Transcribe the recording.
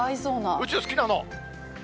宇宙好きなの？